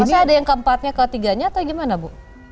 maksudnya ada yang keempatnya ketiganya atau gimana bu